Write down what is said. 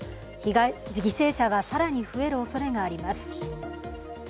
犠牲者は更に増えるおそれがあります。